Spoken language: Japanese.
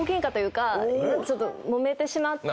ちょっともめてしまって。